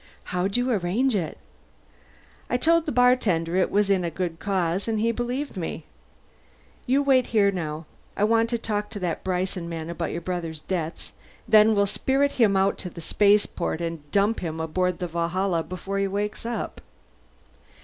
"How'd you arrange it?" "I told the bartender it was in a good cause, and he believed me. You wait here, now. I want to talk to that Bryson man about your brother's debts, and then we'll spirit him out to the spaceport and dump him aboard the Valhalla before he wakes up."